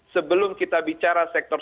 sebelum kita bicara sektor